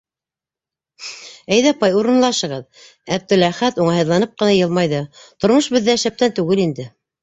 Әйҙә, апай, урынлашығыҙ, - Әптеләхәт уңайһыҙланып ҡына йылмайҙы, - тормош беҙҙә шәптән түгел инде...